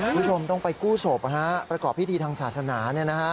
คุณผู้ชมต้องไปกู้ศพประกอบพิธีทางศาสนา